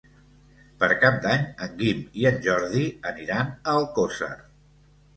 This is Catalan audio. Per Cap d'Any en Guim i en Jordi aniran a Alcosser.